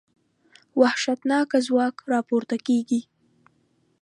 وحشتناکه ځواک راپورته کېږي.